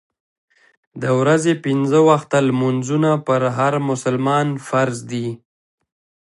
د ورځې پنځه وخته لمونځونه پر هر مسلمان فرض دي.